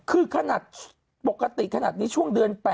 คือขนาดปกติขนาดนี้ช่วงเดือน๘